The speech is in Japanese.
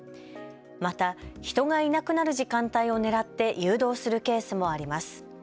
また人がいなくなる時間帯をねらって誘導するケースもあります。